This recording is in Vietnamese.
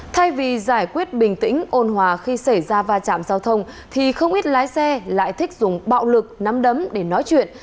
thay vì giải quyết bình tĩnh ôn hòa khi xảy ra va chạm giao thông thì không ít lái xe lại thích dùng bạo lực nắm đấm để nói chuyện